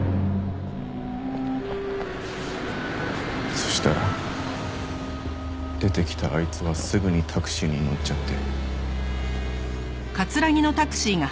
そしたら出てきたあいつはすぐにタクシーに乗っちゃって。